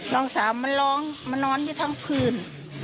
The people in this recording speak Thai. น้องสาวมันร้องมันนอนอยู่ทั้งพื้น